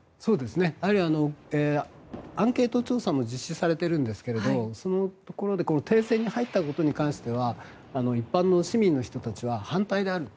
やはり、アンケート調査も実施されているんですが停戦に入ったことに関しては一般の市民の人たちは反対であると。